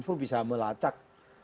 mereka itu bisa melacak